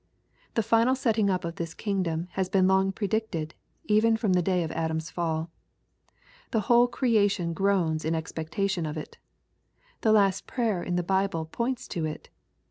The final setting up of this kingdom has been long predicted, even from the day of Adam's fall. The whole creation groans in expectation of it. The List prayer in the Bible points to it.